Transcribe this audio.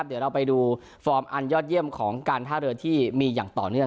เดี๋ยวเราไปดูฟอร์มอันยอดเยี่ยมของการท่าเรือที่มีอย่างต่อเนื่อง